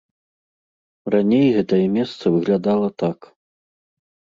Раней гэтае месца выглядала так.